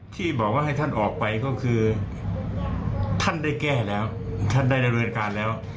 ที่บอกว่าให้ท่านออกไปก็คือท่านได้แก้แล้วท่านได้ดำเนินการแล้ว